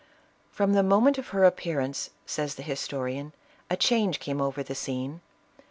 "From the moment of her appearance," says the historian, "a change came over the scene.